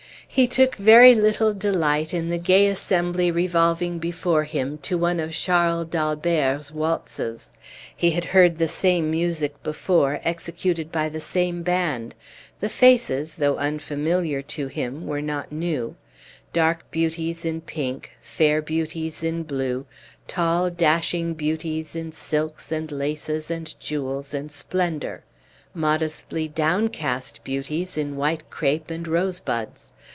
He took very little delight in the gay assembly revolving before him to one of Charles d'Albert's waltzes. He had heard the same music before, executed by the same band; the faces, though unfamiliar to him, were not new: dark beauties in pink, fair beauties in blue; tall, dashing beauties in silks, and laces, and jewels, and splendor; modestly downcast beauties in white crape and rose buds.